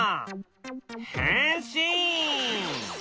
変身！